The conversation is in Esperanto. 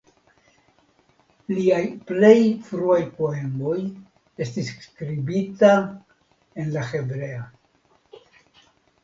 Liaj plej fruaj poemoj estis skribita en la hebrea.